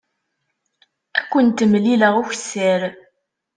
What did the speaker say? Ad kent-mlileɣ ukessar.